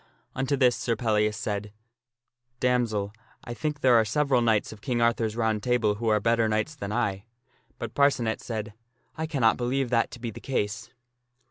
Unto this Sir Pellias said, " Damsel, I think there are several knights of King Arthur's Round Table who are better knights than I." But Parcenet said, " I cannot believe that to be the case."